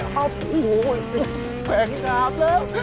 หาแกร่งดาบโหแกร่งดาบแล้ว